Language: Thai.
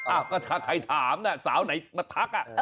อ้าวก็ถ้าใครถามน่ะสาวไหนมาทักอ่ะ